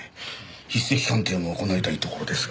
筆跡鑑定も行いたいところですが。